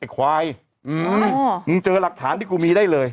ควายมึงเจอหลักฐานที่กูมีได้เลย